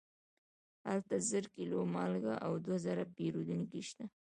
هلته زر کیلو مالګه او دوه زره پیرودونکي شته.